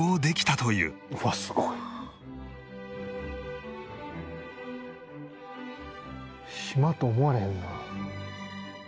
「うわっすごい」「島と思われへんな」